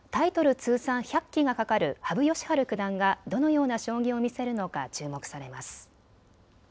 通算１００期がかかる羽生善治九段がどのような将棋を見せるのか注目されます。